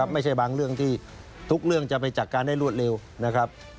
ไม่ใช่บางเรื่องที่ทุกเรื่องจะไปจัดการได้รวดเร็วนะครับ